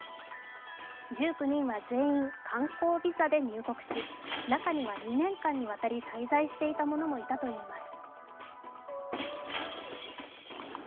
１９人は全員観光ビザで入国し中には２年間にわたり滞在していた者もいるといいます。